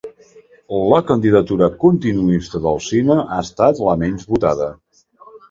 La candidatura continuista d'Alsina ha estat la menys votada.